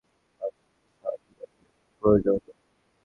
আচ্ছা ঠিক আছে, প্র্য়োজন।